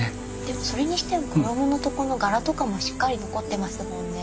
でもそれにしても衣のとこの柄とかもしっかり残ってますもんね。